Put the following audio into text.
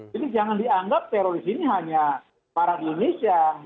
jadi jangan dianggap teroris ini hanya para di indonesia